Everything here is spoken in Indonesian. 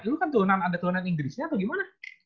lo kan ada tulanan inggrisnya atau gimana